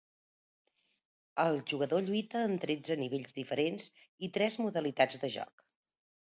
El jugador lluita en tretze nivells diferents i tres modalitats de joc.